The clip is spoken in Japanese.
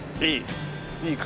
いい！